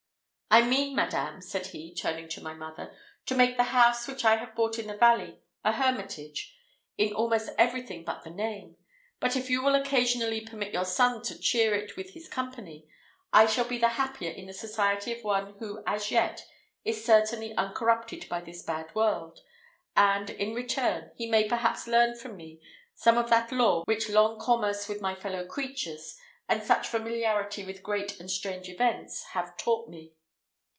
"I mean, madame," said he, turning to my mother, "to make the house which I have bought in the valley a hermitage, in almost everything but the name; but if you will occasionally permit your son to cheer it with his company, I shall be the happier in the society of one who as yet is certainly uncorrupted by this bad world, and, in return, he may perhaps learn from me some of that lore which long commerce with my fellow creatures, and much familiarity with great and strange events, have taught me."